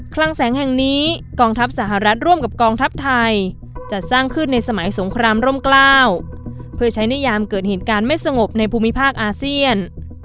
คลังแสงแห่งนี้กองทัพสหรัฐร่วมกับกองทัพไทยจัดสร้างขึ้นในสมัยสงครามร่มกล้าเพื่อใช้ในยามเกิดเหตุการณ์ไม่สงบในภูมิภาคอาเซียน